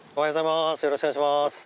よろしくお願いします。